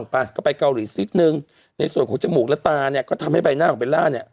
ไปเกาหลีอีกสิบหนึ่งในส่วนของจมูกและตาทำให้ใบหน้าของเบลล่า